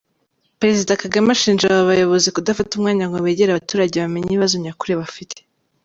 Perezida Kagame ashinja aba bayobozi kudafata umwanya ngo begere abaturage bamenye ibibazo nyakuri bafite.